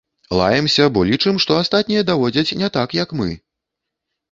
Лаемся, бо лічым, што астатнія даводзяць не так, як мы!